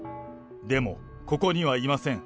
でも、ここにはいません。